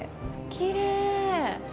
きれい。